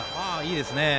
いいですね。